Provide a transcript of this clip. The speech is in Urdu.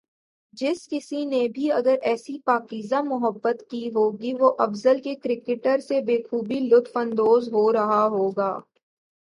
جس کسی نے بھی اگر ایسی پاکیزہ محبت کی ہوگی وہ افضل کے کریکٹر سے بخوبی لطف اندوز ہو رہا ہوگا